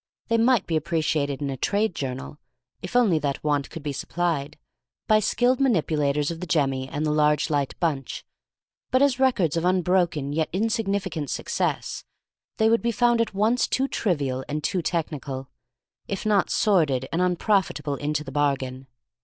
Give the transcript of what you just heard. They might be appreciated in a trade journal (if only that want could be supplied), by skilled manipulators of the jemmy and the large light bunch; but, as records of unbroken yet insignificant success, they would be found at once too trivial and too technical, if not sordid and unprofitable into the bargain.